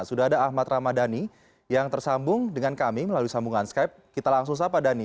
sudah ada ahmad ramadhani yang tersambung dengan kami melalui sambungan skype kita langsung sapa dhani